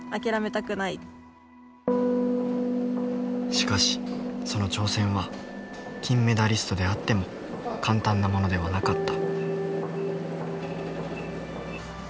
しかしその挑戦は金メダリストであっても簡単なものではなかった。